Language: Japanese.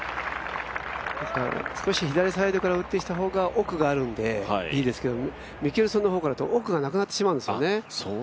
少し左サイドから打ってきた方が奥があるのでいいんですがミケルソンの方だと、奥がなくなってしまうんですね。